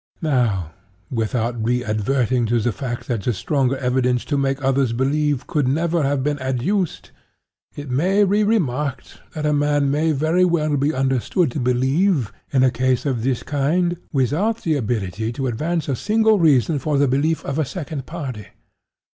Now, without re adverting to the fact that stronger evidence 'to make others believe,' could never have been adduced, it may be remarked that a man may very well be understood to believe, in a case of this kind, without the ability to advance a single reason for the belief of a second party.